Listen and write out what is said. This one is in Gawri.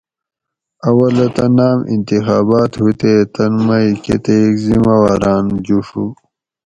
اولہ تہ ناۤم انتخابات ہُو تے تن مئی کۤتیک ذمہ واۤراۤن جُوڛو